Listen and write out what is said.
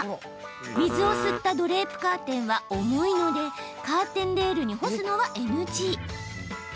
水を吸ったドレープカーテンは重いのでカーテンレールに干すのはＮＧ。